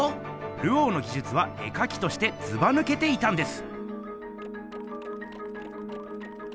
ルオーのぎじゅつは絵かきとしてずばぬけていたんです。